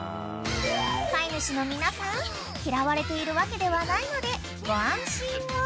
［飼い主の皆さん嫌われているわけではないのでご安心を］